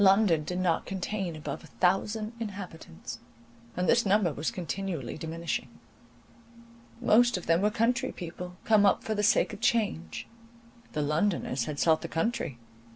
London did not contain above a thousand inhabitants; and this number was continually diminishing. Most of them were country people, come up for the sake of change; the Londoners had sought the country.